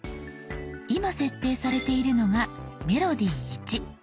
今設定されているのが「メロディ０１」。